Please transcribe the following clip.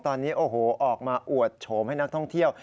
ตอนนี้โอ้โหออกมาอวดโฉมให้นักท่องเที่ยว